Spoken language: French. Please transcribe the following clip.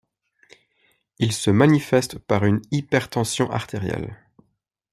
Il se manifeste par une hypertension artérielle.